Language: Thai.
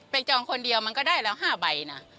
จองคนเดียวมันก็ได้แล้ว๕ใบนะ